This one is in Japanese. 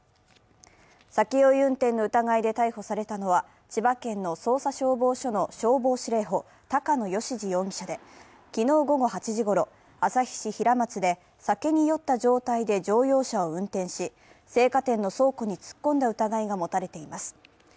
酒酔い運転の疑いで逮捕されたのは、千葉県の匝瑳消防署の消防司令補、高野吉樹容疑者で、昨日午後８時ごろ、旭市平松で酒に酔った状態で乗用車を運転し、青果店の倉庫に突っ込んだ疑いが持たれています。